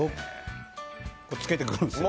つけて食うんですよね。